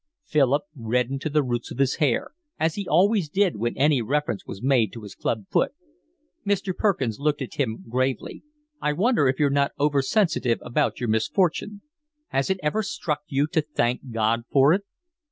Philip reddened to the roots of his hair, as he always did when any reference was made to his club foot. Mr. Perkins looked at him gravely. "I wonder if you're not oversensitive about your misfortune. Has it ever struck you to thank God for it?"